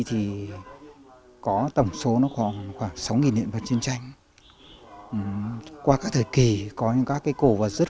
thì có tổng số nó khoảng sáu hiện vật chiến tranh qua các thời kỳ có những các cái cổ vật rất